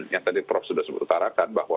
yang tadi prof sudah sebut utarakan bahwa